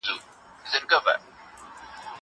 زه به سبا ليکنې وکړم!